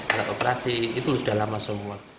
alat operasi itu sudah lama semua